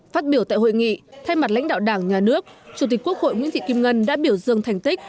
phát biểu tại hội nghị thay mặt lãnh đạo đảng nhà nước chủ tịch quốc hội nguyễn thị kim ngân đã biểu dương thành tích